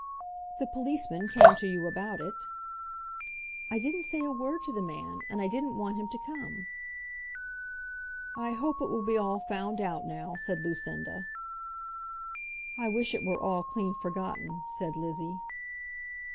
"The policeman came to you about it." "I didn't say a word to the man, and I didn't want him to come." "I hope it will be all found out now," said Lucinda. "I wish it were all clean forgotten," said Lizzie.